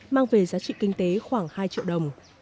mang về giá trị kinh tế khoảng hai triệu đồng